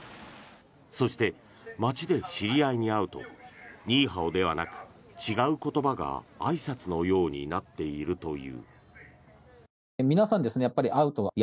そして、街で知り合いに会うとニーハオではなく違う言葉が、あいさつのようになっているという。